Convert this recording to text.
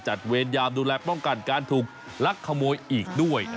เวรยามดูแลป้องกันการถูกลักขโมยอีกด้วย